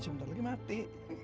ibu n graduate